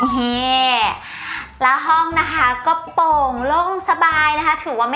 นี่แล้วห้องนะคะก็โป่งล่มสบายนะคะ